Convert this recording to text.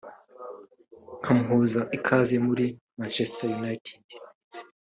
nkamuha ikaze muri Manchester United